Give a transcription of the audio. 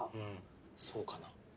そうかな？